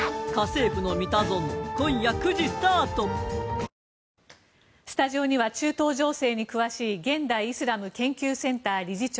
お申込みはスタジオには中東情勢に詳しい現代イスラム研究センター理事長